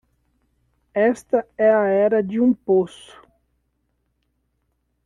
Esta é a era de um poço